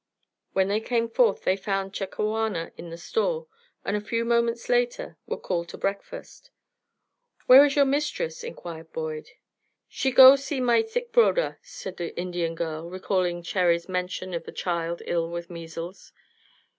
When they came forth they found Chakawana in the store, and a few moments later were called to breakfast. "Where is your mistress?" inquired Boyd. "She go see my sick broder," said the Indian girl, recalling Cherry's mention of the child ill with measles.